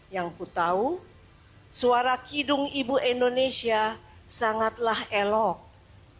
yang aku tahu suara kidung ibu indonesia sangat berbeda